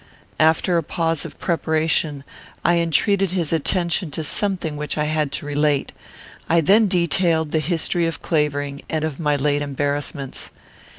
After a pause of preparation, I entreated his attention to something which I had to relate. I then detailed the history of Clavering and of my late embarrassments.